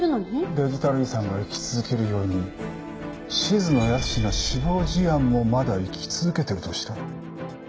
デジタル遺産が生き続けるように静野保志の死亡事案もまだ生き続けてるとしたら。